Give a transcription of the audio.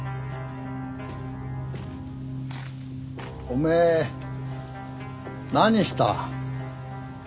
おめえ何した？